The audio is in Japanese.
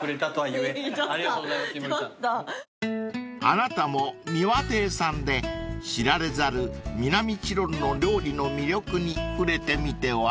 ［あなたも三輪亭さんで知られざる南チロルの料理の魅力に触れてみては？］